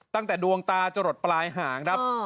ตั้งแต่ดวงตาจะหลดปลายหางครับ